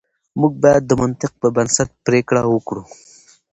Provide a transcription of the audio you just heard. موږ بايد د منطق پر بنسټ پرېکړه وکړو.